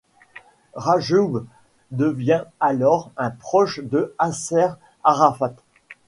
Rajoub devient alors un proche de Yasser Arafat.